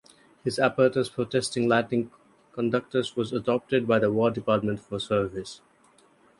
His apparatus for testing lightning conductors was adopted by the war department for service.